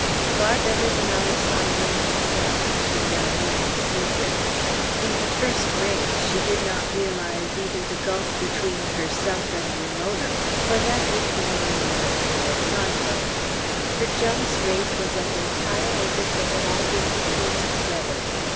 Far better than Alessandro himself, she now knew his secret. In her first rage she did not realize either the gulf between herself and Ramona, or that between Ramona and Alessandro. Her jealous rage was as entire as if they had all been equals together.